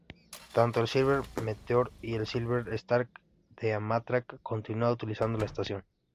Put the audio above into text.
Tanto el Silver Meteor y el Silver Star de Amtrak continúan utilizando la estación.